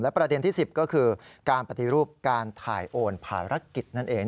ประเด็นที่๑๐ก็คือการปฏิรูปการถ่ายโอนภารกิจนั่นเอง